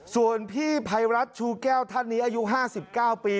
ส่วนพี่ภัยรัฐชูแก้วท่านนี้อายุ๕๙ปี